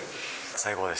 最高です。